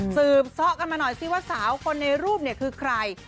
สืบเสาะกันมาหน่อยสิว่าสาวคนในรูปนี้คือใคร